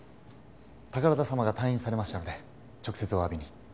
宝田様が退院されましたので直接お詫びに。